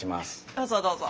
どうぞどうぞ。